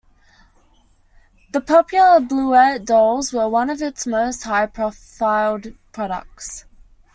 The popular Bleuette dolls were one of its most high profiled products.